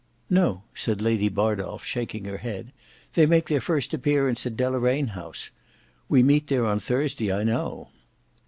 "No," said Lady Bardolf shaking his head, "they make their first appearance at Deloraine House. We meet there on Thursday I know."